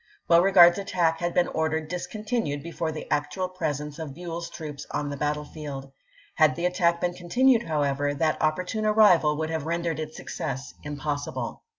Beauregard's attack had been ordered discontinued before the actual presence of Buell's troops on the battlefield. Had the attack been continued, however, that opportune arrival would have rendered its success impossible.